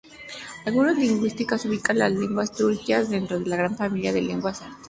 Algunos lingüistas ubican las lenguas túrquicas dentro de la gran familia de lenguas altaicas.